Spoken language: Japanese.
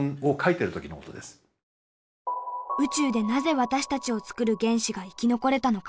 宇宙でなぜ私たちをつくる原子が生き残れたのか？